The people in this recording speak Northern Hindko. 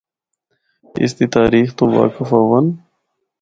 اس دی تاریخ تو واقف ہوّن۔